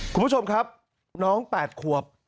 คุณผู้ชมครับน้อง๘ขวบ